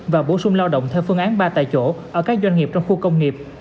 và bổ sung lao động theo phương án ba tại chỗ ở các doanh nghiệp trong khu công nghiệp